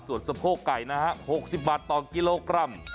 ส่วนสะโพกไก่นะฮะ๖๐บาทต่อกิโลกรัม